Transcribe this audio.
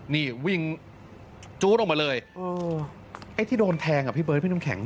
นี่วิ่งจู๊ดออกมาเลยไอ้ที่โดนแทงอ่ะพี่เบิร์ดพี่น้ำแข็ง